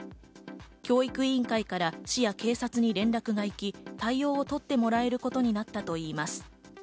教育委員会から市や警察に連絡が行き、対応を取ってもらえることになったといいます。